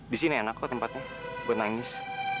di sini enak kok tempatnya buat nangis